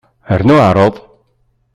Rnu ɛreḍ.